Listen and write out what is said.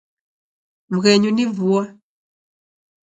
Mghenyu ni vua.